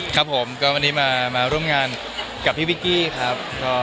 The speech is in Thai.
ครับผมก็วันนี้มาร่วมงานกับพี่วิกกี้ครับ